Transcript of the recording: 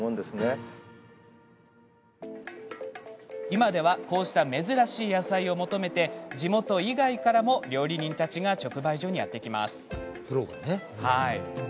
今ではこうした珍しい野菜を求めて地元以外からも料理人たちが直売所にやって来ます。